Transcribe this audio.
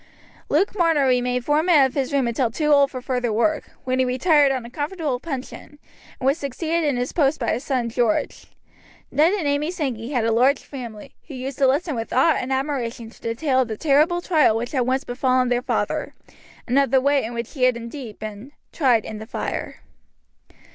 Luke Marner remained foreman of his room until too old for further work, when he retired on a comfortable pension, and was succeeded in his post by his son George. Ned and Amy Sankey had a large family, who used to listen with awe and admiration to the tale of the terrible trial which had once befallen their father, and of the way in which he had indeed been "tried in the fire."